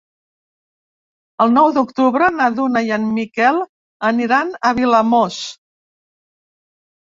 El nou d'octubre na Duna i en Miquel aniran a Vilamòs.